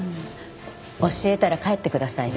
教えたら帰ってくださいよ。